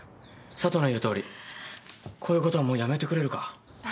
佐都の言うとおりこういうことはもうやめてくれるか？